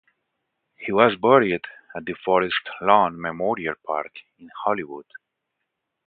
He was buried at the Forest Lawn Memorial Park, in Hollywood.